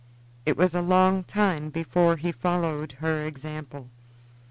It was a long time before he followed her example.